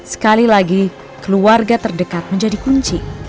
sekali lagi keluarga terdekat menjadi kunci